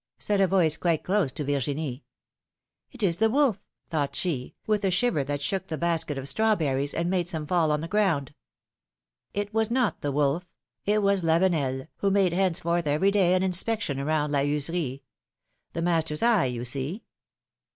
said a voice, quite close to Virginie. ^^It is the wolf!" thought she, with a shiver that shook the basket of strawberries, and made some fall on the ground. It was not the wolf! it was Lavenel, v/ho made hence forth every day an inspection around La Heuserie. The master's eye, you see!